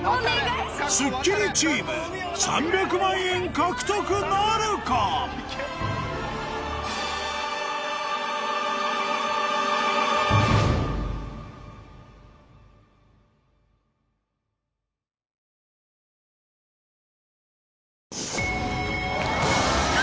『スッキリ』チーム３００万円獲得なるか⁉キャ！